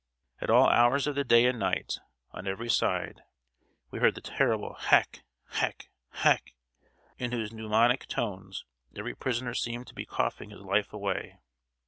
At all hours of the day and night, on every side, we heard the terrible hack! hack! hack! in whose pneumonic tones every prisoner seemed to be coughing his life away.